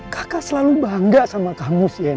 kakak selalu bangga sama kamu cnn